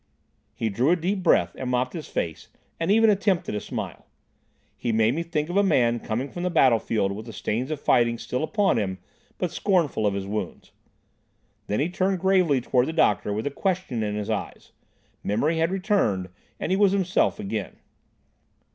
He drew a deep breath, and mopped his face, and even attempted a smile. He made me think of a man coming from the battlefield with the stains of fighting still upon him, but scornful of his wounds. Then he turned gravely towards the doctor with a question in his eyes. Memory had returned and he was himself again.